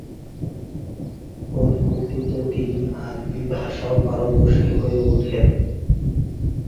পরবর্তীতে তিনি আরবী ভাষাও পারদর্শী হয়ে উঠেন।